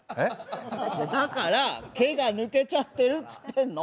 だからけが抜けちゃってるよって言ってるの。